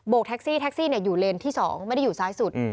กแท็กซี่แท็กซี่อยู่เลนที่๒ไม่ได้อยู่ซ้ายสุด